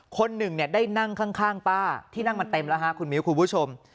คนหนึ่งเนี่ยได้นั่งข้างป้าที่นั่งมันเต็มแล้วฮะคุณมิ้วคุณผู้ชม